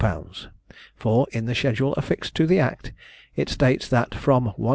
_; for in the schedule affixed to the act, it states, that from 150_l.